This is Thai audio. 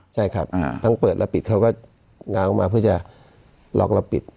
ใช่ครับทั้งเปิดแล้วปิดเขาก็ง้างออกมาเพื่อจะล็อกแล้วปิด